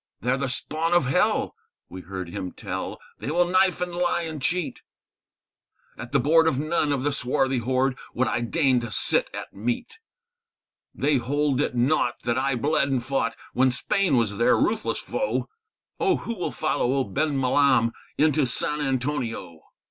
They're the spawn of Hell! we heard him tell; _they will knife and lie and cheat; At the board of none of the swarthy horde would I deign to sit at meat; They hold it naught that I bled and fought when Spain was their ruthless foe; Oh, who will follow old Ben Milam into San Antonio?